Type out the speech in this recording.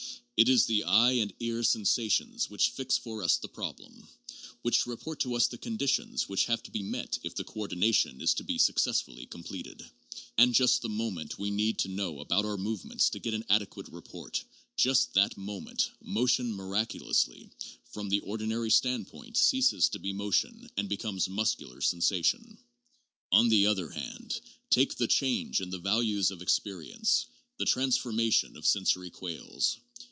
It is the eye and ear sensations which fix for us the problem ; which report to us the conditions which have to be met if the coordination is to be successfully completed ; and just the moment we need to know about our movements to get an adequate report, just that moment, motion miraculously (from the ordinary standpoint) ceases to be mo tion and become ' muscular sensation. ' On the other hand, take the change in values of experience, the transformation of sensory quales.